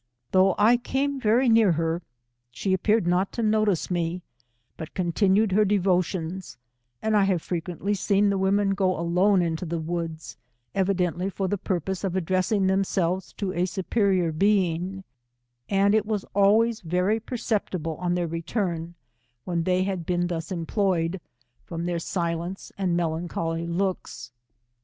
Though 1 came f very near her, she appeared not to notice me, but \ continued her devotions, and I have frequently seen | the women go alone into the woods, evidently for j the purpose of addressing themselves to a superior ; being, and it was always very perceptible on their return, when they had been thus employed, from their silence and melancholy looks.